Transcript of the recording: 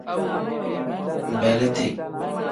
Beeliti.